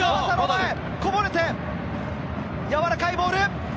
こぼれて、やわらかいボール。